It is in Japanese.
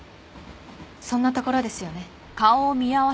そんなところですよね？